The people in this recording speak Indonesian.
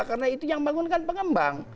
karena itu yang membangunkan pengembang